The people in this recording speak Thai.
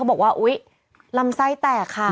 บอกว่าอุ๊ยลำไส้แตกค่ะ